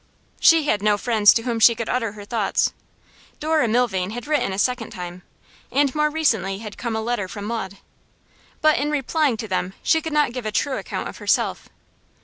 She had no friends to whom she could utter her thoughts. Dora Milvain had written a second time, and more recently had come a letter from Maud; but in replying to them she could not give a true account of herself.